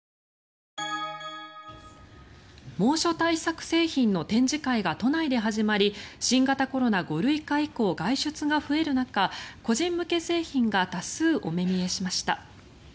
猛暑対策製品の展示会が都内で始まり新型コロナ５類化以降外出が増える中お目見えしました。